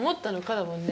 だもんね。